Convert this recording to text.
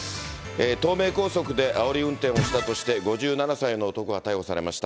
東名高速であおり運転をしたとして、５７歳の男が逮捕されました。